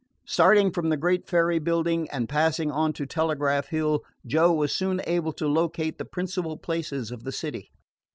Starting from the great ferry building, and passing on to Telegraph Hill, Joe was soon able to locate the principal places of the city.